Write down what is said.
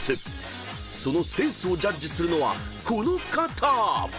［そのセンスをジャッジするのはこの方！］